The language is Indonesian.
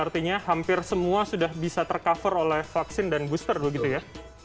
artinya hampir semua sudah bisa tercover oleh vaksin dan booster begitu ya